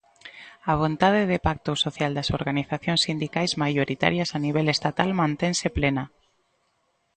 A vontade de pacto social das organizacións sindicais maioritarias a nivel estatal mantense plena.